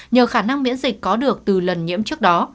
nhờ khả năng miễn dịch có được từ lần nhiễm trước đó